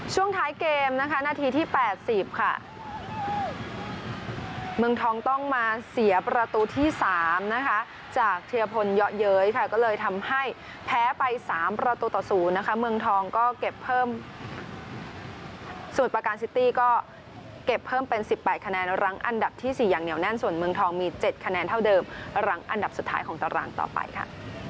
ช่วงท้ายเกมนะคะนาทีที่๘๐ค่ะเมืองทองต้องมาเสียประตูที่๓นะคะจากเทียพลเยอะเย้ยค่ะก็เลยทำให้แพ้ไป๓ประตูต่อ๐นะคะเมืองทองก็เก็บเพิ่มส่วนประการซิตี้ก็เก็บเพิ่มเป็น๑๘คะแนนรั้งอันดับที่๔อย่างเหนียวแน่นส่วนเมืองทองมี๗คะแนนเท่าเดิมหลังอันดับสุดท้ายของตารางต่อไปค่ะ